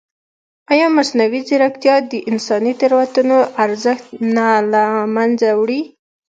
ایا مصنوعي ځیرکتیا د انساني تېروتنو ارزښت نه له منځه وړي؟